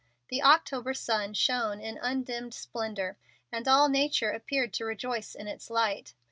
The October sun shone in undimmed splendor, and all nature appeared to rejoice in its light.